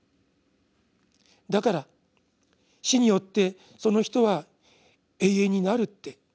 だから死によってその人は永遠になるって。